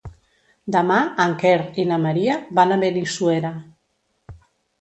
Demà en Quer i na Maria van a Benissuera.